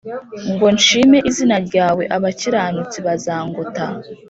ngo nshime izina ryawe Abakiranutsi bazangota